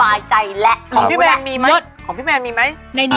ใจแหละของพี่แมนมีไหมของพี่แมนมีไหม